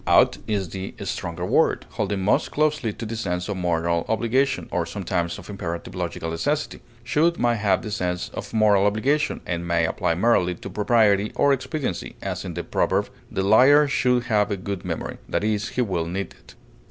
Ought is the stronger word, holding most closely to the sense of moral obligation, or sometimes of imperative logical necessity; should may have the sense of moral obligation or may apply merely to propriety or expediency, as in the proverb, "The liar should have a good memory," i. e., he will need it.